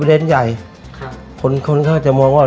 คุณพ่อมีลูกทั้งหมด๑๐ปี